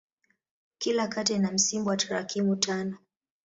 Kila kata ina msimbo wa tarakimu tano.